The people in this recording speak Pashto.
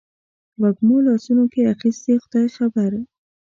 وږمو لاسونو کې اخیستي خدای خبر